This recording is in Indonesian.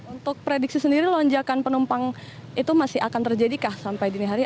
untuk prediksi sendiri lonjakan penumpang itu masih akan terjadikah sampai dini hari